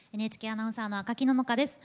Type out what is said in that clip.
ＮＨＫアナウンサーの赤木野々花です。